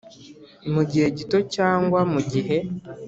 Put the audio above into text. mu gihe gito cyangwa mu gihe